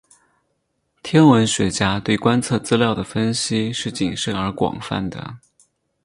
天文学家对观测资料的分析是谨慎而广泛的。